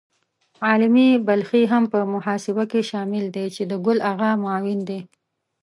عالمي بلخي هم په محاسبه کې شامل دی چې د ګل آغا معاون دی.